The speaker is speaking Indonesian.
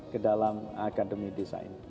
ke dalam akademi desa ini